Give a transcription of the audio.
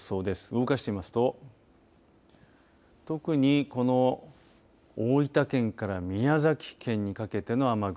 動かしていきますと特にこの大分県から宮崎県にかけての雨雲